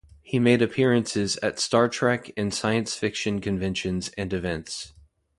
He made appearances at "Star Trek" and science fiction conventions and events.